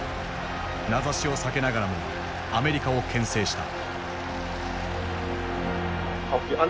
名指しを避けながらもアメリカを牽制した。